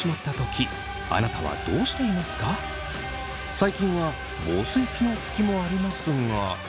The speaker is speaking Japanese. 最近は防水機能付きもありますが。